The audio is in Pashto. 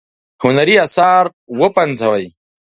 هنري آثار وپنځوي.